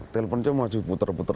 teleponnya masih puter puter